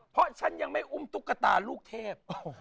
เพราะฉันยังไม่อุ้มตุ๊กตาลูกเทพ